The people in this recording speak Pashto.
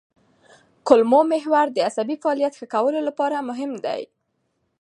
کولمو محور د عصبي فعالیت ښه کولو لپاره مهم دی.